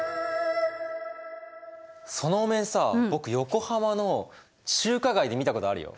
そのお面さ僕横浜の中華街で見たことあるよ。